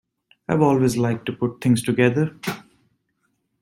I've always liked to put things together.